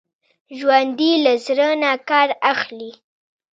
ژوندي له زړه نه کار اخلي